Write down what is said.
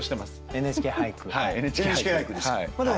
「ＮＨＫ俳句」ですから。